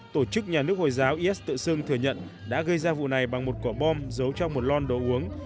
tổ chức nhà nước hồi giáo is tự xưng thừa nhận đã gây ra vụ này bằng một quả bom giấu trong một lon đồ uống